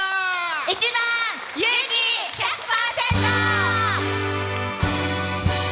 １番「勇気１００％」。